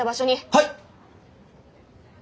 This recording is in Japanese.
はい！